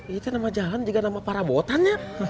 itu nama jalan juga nama para botannya